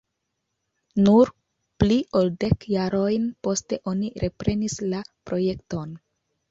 Nur pli ol dek jarojn poste oni reprenis la projekton.